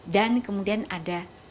dan kemudian ada